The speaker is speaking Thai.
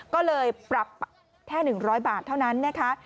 ก็เลยปรับแค่๑๐๐บาทเท่านั้นนะคะ